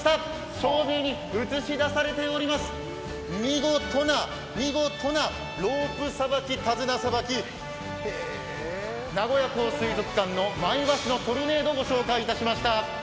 照明に映し出されております、見事な、見事なロープ裁き、手綱裁き名古屋港水族館のマイワシのトルネードをご紹介いたしました。